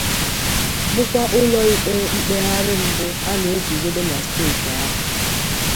bụkwazị ụlọ ikpe mkpegharị mbụ a na-eguzobe na steeti ahụ.